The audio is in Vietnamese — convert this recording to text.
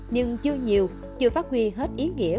nhưng chưa nhiều chưa phát huy hết ý nghĩa